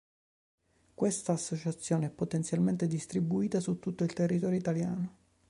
Questa associazione è potenzialmente distribuita su tutto il territorio italiano.